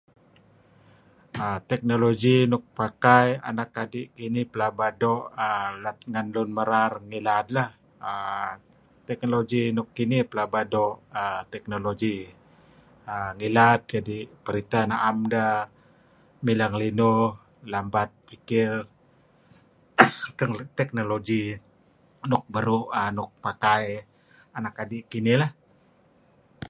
Taknologi nuk pakai anak adi' kinih pelaba do' lat ngen lun merar ngilad lah uhm teknologi nuk inih pelaba do' taknologi. Ngilad kadi' printeh naen dah ideh mileh ngelinuh lambat pikir naem teknologi nukberuh nuk pakai lah.